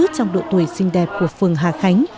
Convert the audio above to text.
trong độ tuổi xinh đẹp của phường hà khánh